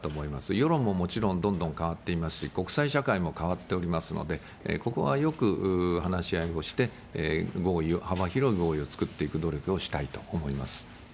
世論ももちろんどんどん変わっていますし、国際社会も変わっておりますので、ここはよく話し合いをして、合意を、幅広い合意を作っていく努力をしたいと思います。